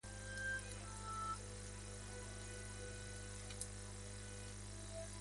Melina es menos que una amiga, y critica constantemente a Matt.